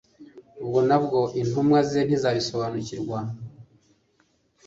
Ubwo nabwo intumwa ze ntizabisobariukirwa.